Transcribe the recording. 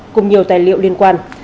cùng nhiều tài liệu liên quan